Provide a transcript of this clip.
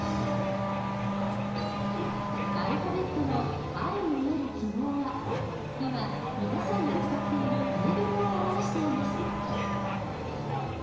［アルファベットの「Ｉ」に見える記号は今皆さんが使っているテーブルを表しています］